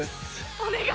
お願い！